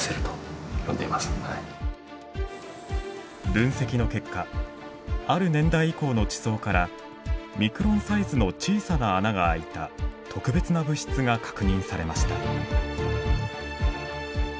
分析の結果ある年代以降の地層からミクロンサイズの小さな穴が開いた特別な物質が確認されました。